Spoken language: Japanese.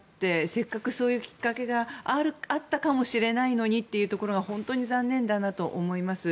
せっかく、そういうきっかけがあったかもしれないのにと思うと本当に残念だなと思います。